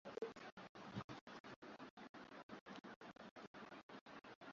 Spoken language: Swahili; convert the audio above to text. ndio mwanadada Mwasiti alipojitokeza katika watu wa kwanza kabisa huku kipaji chake kilikuwa